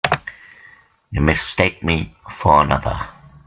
You mistake me for another.